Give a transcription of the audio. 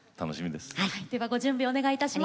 ではご準備お願いいたします。